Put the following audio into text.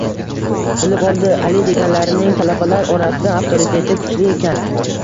Bilib oldi, Ali deganlarining talabalar orasida avtoriteti kuchli ekan